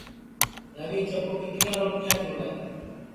روی چکُو کیتریا روٹیاں چُورے